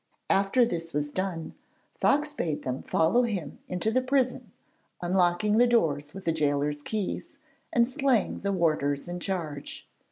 After this was done Fox bade them follow him into the prison, unlocking the doors with the gaoler's keys, and slaying the warders in charge.